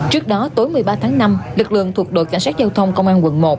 trước đó tối một mươi ba tháng năm lực lượng thuộc đội cảnh sát giao thông công an quận một